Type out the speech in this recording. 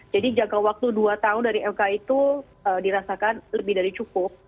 jangka waktu dua tahun dari mk itu dirasakan lebih dari cukup